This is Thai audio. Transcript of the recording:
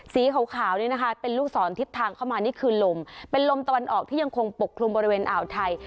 สีขาวนี่นะคะเป็นลูกศรทิศทางเข้ามานี่คือลมเป็นลมตะวันออกที่ยังคงปกคลุมบริเวณอ่าวไทย